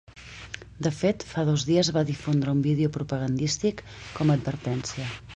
De fet, fa dos dies va difondre un vídeo propagandístic com a advertència.